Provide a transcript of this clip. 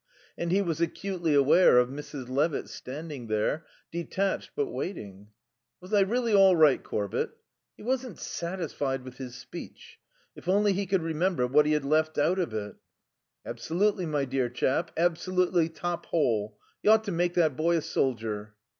And he was acutely aware of Mrs. Levitt standing there, detached but waiting. "Was I really all right, Corbett?" He wasn't satisfied with his speech. If only he could remember what he had left out of it. "Absolutely, my dear chap. Absolutely top hole. You ought to make that boy a soldier."